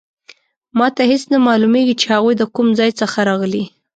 ما ته هیڅ نه معلومیږي چې هغوی د کوم ځای څخه راغلي